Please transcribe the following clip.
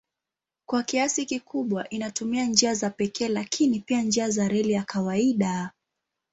Kwa kiasi kikubwa inatumia njia za pekee lakini pia njia za reli ya kawaida.